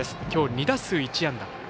きょう２打数１安打。